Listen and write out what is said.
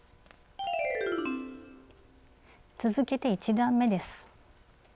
続けて１段めです。